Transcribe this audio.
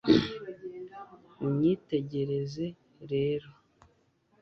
unyitegereze rero